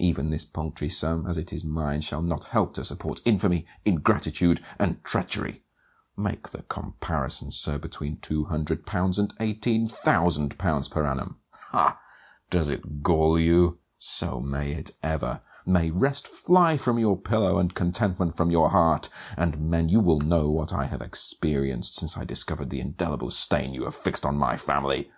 Even this paltry sum, as it is mine shall not help to support infamy, ingratitude, and treachery. Make the comparison, Sir, between 200l. and 18,000l. per annum! Ha! does it gall you? So may it ever! May rest fly from your pillow and contentment from your heart; and men you will know what I have experienced, since I discovered the indelible stain you have fixed on my family.